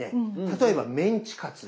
例えばメンチカツ。